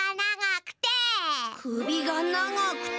くびがながくて。